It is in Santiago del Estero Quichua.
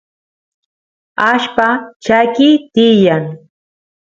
allpa chakiy tiyan